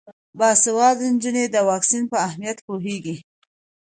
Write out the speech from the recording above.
باسواده نجونې د واکسین په اهمیت پوهیږي.